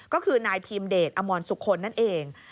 ก็คือนายพีมเดชอมรสุคลนั่นเอง